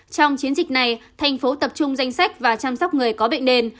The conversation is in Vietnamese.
trong chiến dịch này tp hcm tập trung danh sách và chăm sóc người có bệnh nền